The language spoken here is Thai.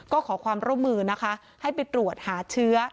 ก็ขอความร่วมมือนะคะให้ไปตรวจหาเชื้อ